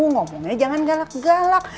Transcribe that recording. ngomongnya jangan galak galak